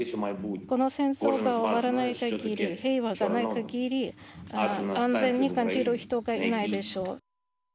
この戦争が終わらない限り平和じゃない限り安全に感じる人がいないでしょう。